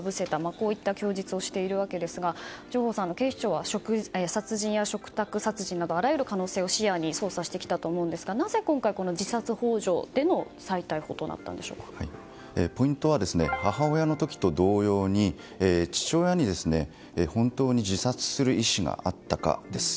こういった供述をしているわけですが上法さん、警視庁は殺人や嘱託殺人などあらゆる可能性を視野に捜査してきたと思いますがなぜ今回、自殺幇助でのポイントは母親の時と同様に父親に本当に自殺する意思があったかです。